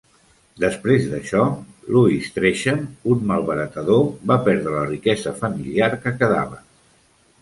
Després d'això, Lewis Tresham, un malbaratador, va perdre la riquesa familiar que quedava.